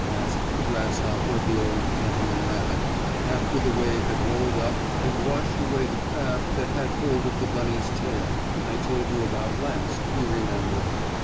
asked the grasshopper of the old gentleman rabbit, after the wave had rolled up and washed away the crab that had hold of the bunny's tail, I told you about last, you remember.